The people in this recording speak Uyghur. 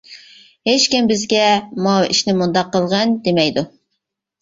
ھېچ كىم بىزگە «ماۋۇ ئىشنى مۇنداق قىلغىن» دېمەيدۇ.